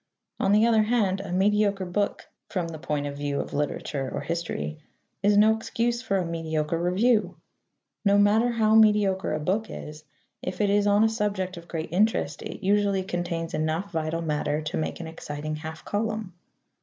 On the other hand, a mediocre book (from the point of view of literature or history) is no excuse for a mediocre review. No matter how mediocre a book is, if it is on a subject of great interest, it usually contains enough vital matter to make an exciting half column.